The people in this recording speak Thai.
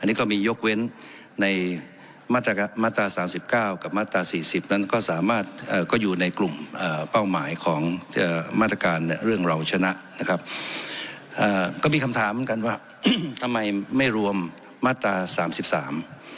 เอ่อก็มีคำถามเหมือนกันว่าอืมทำไมไม่รวมมาตราสามสิบสาม